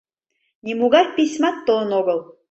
Нимогай письмат толын огыл.